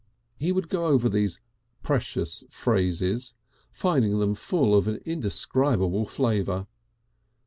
He would go over these precious phrases, finding them full of an indescribable flavour.